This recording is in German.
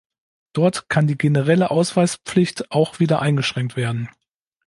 Dort kann die generelle Ausweispflicht auch wieder eingeschränkt werden.